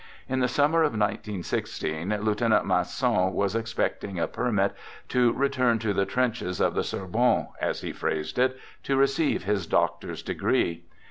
In the summer of 19 16, Lieutenant Masson was ex pecting a permit to return to the " trenches of the Sorbonne," as he phrased it, to receive his doctor's degree.